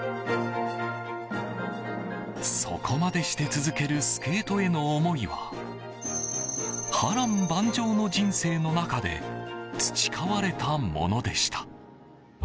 そこまでして続けるスケートへの思いは波乱万丈の人生の中で培われたものでした。